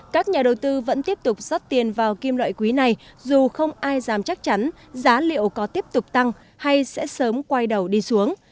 các nhà đầu tư vẫn tiếp tục sắt tiền vào kim loại quý này dù không ai dám chắc chắn giá liệu có tiếp tục tăng hay sẽ sớm quay đầu đi xuống